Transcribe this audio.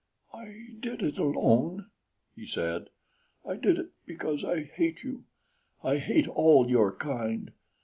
"I did it alone," he said. "I did it because I hate you I hate all your kind.